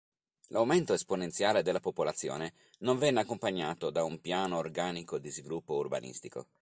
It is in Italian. L'aumento esponenziale della popolazione non venne accompagnato da un piano organico di sviluppo urbanistico.